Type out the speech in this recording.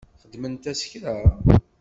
Xedment-as kra?